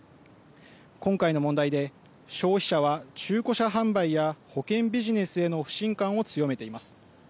今回の問題で消費者は中古車販売や保険ビジネスへの不信感を強めています。